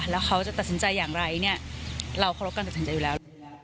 แล้วเขาจะตัดสินใจอย่างไรเนี่ยเราเคารพการตัดสินใจอยู่แล้ว